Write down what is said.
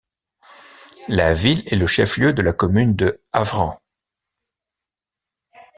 La ville est le chef-lieu de la commune de Avren.